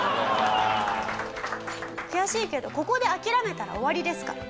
悔しいけどここで諦めたら終わりですから。